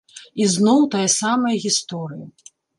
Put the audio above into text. І зноў тая самая гісторыя!